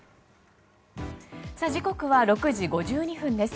時刻は６時５２分です。